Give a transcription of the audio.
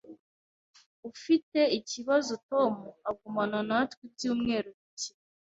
Ufite ikibazo Tom agumana natwe ibyumweru bike?